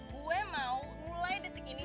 gue mau mulai detik ini